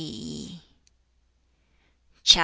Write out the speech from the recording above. CHAP.